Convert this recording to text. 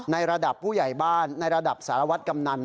ระดับผู้ใหญ่บ้านในระดับสารวัตรกำนัน